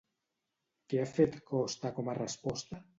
Què ha fet Costa com a resposta?